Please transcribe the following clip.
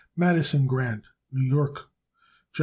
Madison Grant, New York. Gen.